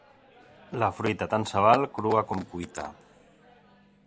La fruita tant se val crua com cuita.